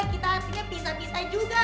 kita artinya bisa bisa juga